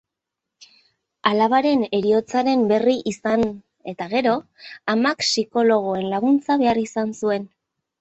Alabaren heriotzaren berri izan eta gero, amak psikologoen laguntza behar izan zuen.